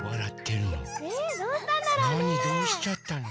どうしちゃったの？